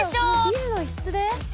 ビルの一室で？